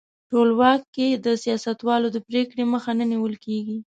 ټولواک کې د سیاستوالو د پرېکړو مخه نه نیول کیږي.